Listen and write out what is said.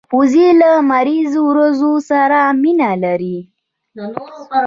وزې له لمریز ورځو سره مینه لري